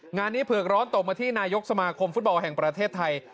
งานนี้เผือกร้อนตกมาที่นายกสมาคมฟุตบอลแห่งประเทศไทย